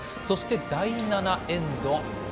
そして、第７エンド。